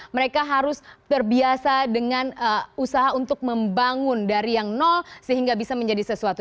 mereka harus terbiasa dengan usaha untuk membangun dari yang nol sehingga bisa menjadi sesuatu